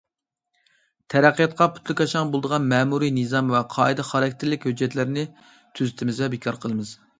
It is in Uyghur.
تەرەققىياتقا پۇتلىكاشاڭ بولىدىغان مەمۇرىي نىزام ۋە قائىدە خاراكتېرلىك ھۆججەتلەرنى تۈزىتىمىز ۋە بىكار قىلىمىز.